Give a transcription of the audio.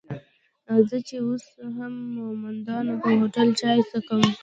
زه چې اوس هم د مومندانو پر هوټل چای څکم.